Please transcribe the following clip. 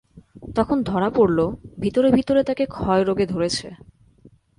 তখন ধরা পড়ল ভিতরে ভিতরে তাকে ক্ষয়রোগে ধরেছে।